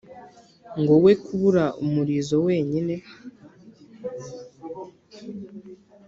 ngo we kubura umurizo wenyine.